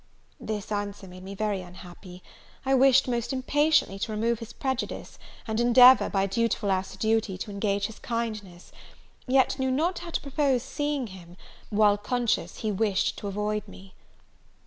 This answer made me very unhappy: I wished, most impatiently, to remove his prejudice, and endeavour, by dutiful assiduity, to engage his kindness; yet knew not how to propose seeing him, while conscious he wished to avoid me.